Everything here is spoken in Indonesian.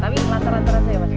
tapi lataran lataran saya masih